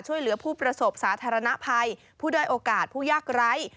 ช่วยเหลือผู้ประสบสาธารณภัยผู้ด้อยโอกาสผู้ยากไร้